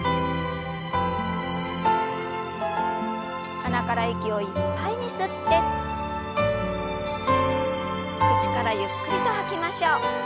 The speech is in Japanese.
鼻から息をいっぱいに吸って口からゆっくりと吐きましょう。